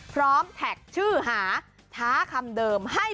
แท็กชื่อหาท้าคำเดิมให้